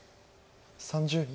３０秒。